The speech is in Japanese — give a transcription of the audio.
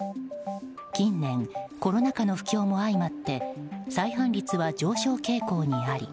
近年、コロナ禍の不況も相まって再犯率は上昇傾向にあり